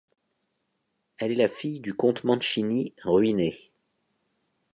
Elle est la fille du comte Mancini ruiné.